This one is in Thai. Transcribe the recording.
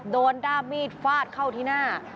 ด้ามมีดฟาดเข้าที่หน้า